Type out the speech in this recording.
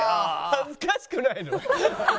恥ずかしくないの？